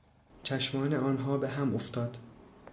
چشمان آنها به هم افتاد.